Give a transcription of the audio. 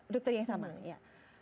dokter yang sama iya